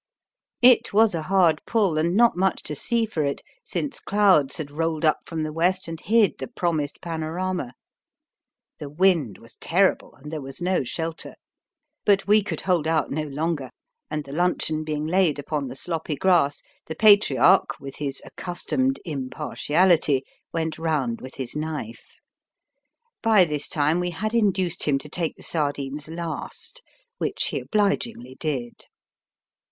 It was a hard pull and not much to see for it, since clouds had rolled up from the west and hid the promised panorama. The wind was terrible, and there was no shelter. But we could hold out no longer, and the luncheon being laid upon the sloppy grass, the Patriarch, with his accustomed impartiality, went round with his knife. By this time we had induced him to take the sardines last, which he obligingly did.